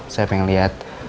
saya pengen lihat